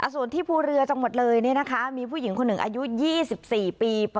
ส่วนที่ภูเรือจังหวัดเลยเนี่ยนะคะมีผู้หญิงคนหนึ่งอายุยี่สิบสี่ปี